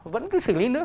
vẫn cứ xử lý nước